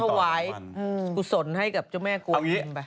แล้วเธอก็ถวายกุศลให้กับเจ้าแม่กลัวอิ่มไป